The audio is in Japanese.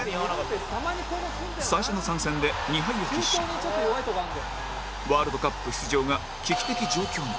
最初の３戦で２敗を喫しワールドカップ出場が危機的状況に